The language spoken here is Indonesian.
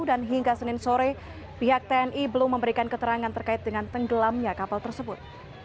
dan hingga senin sore pihak tni belum memberikan keterangan terkait dengan tenggelamnya kapal tersebut